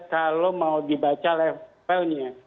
kalau mau dibaca levelnya